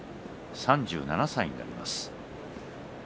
３７歳になります。